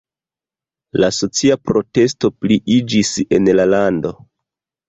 La socia protesto pliiĝis en la lando.